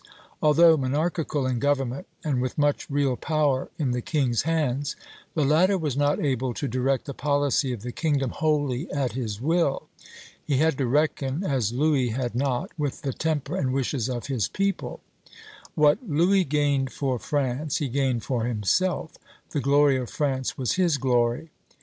Although monarchical in government, and with much real power in the king's hands, the latter was not able to direct the policy of the kingdom wholly at his will. He had to reckon, as Louis had not, with the temper and wishes of his people. What Louis gained for France, he gained for himself; the glory of France was his glory.